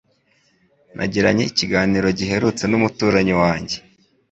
Nagiranye ikiganiro giherutse n'umuturanyi wanjye.